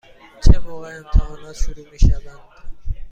چه موقع امتحانات شروع می شوند؟